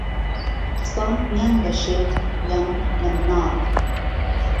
قسە یان لە شێت یان لە مناڵ